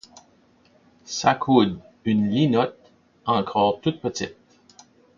S'accoude, -une linotte, encor toute petite